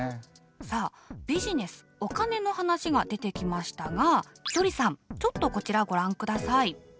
さあビジネスお金の話が出てきましたがひとりさんちょっとこちらご覧ください。